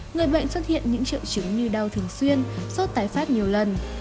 người bệnh xuất hiện những triệu chứng như đau thường xuyên sốt tái phát nhiều lần